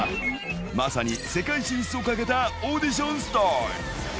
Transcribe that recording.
まさに世界進出をかけたオーディションスタート。